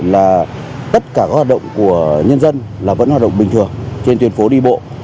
là tất cả các hoạt động của nhân dân là vẫn hoạt động bình thường trên tuyên phố đi bộ